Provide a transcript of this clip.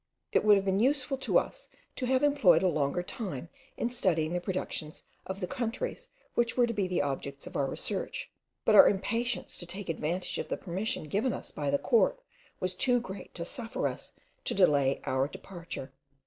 It would have been useful to us to have employed a longer time in studying the productions of the countries which were to be the objects of our research, but our impatience to take advantage of the permission given us by the court was too great to suffer us to delay our departure.